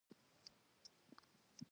دا منظور له تضمین څخه دی.